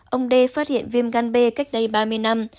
ông đê phát hiện viêm gan b cách đây ba mươi năm